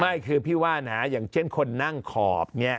ไม่คือพี่ว่านะอย่างเช่นคนนั่งขอบเนี่ย